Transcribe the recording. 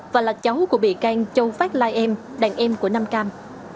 và là cháu của bị can châu phát lai em đàn em của nam cam